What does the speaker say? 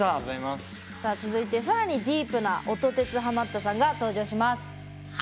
続いて、さらにディープな音鉄ハマったさんが登場します。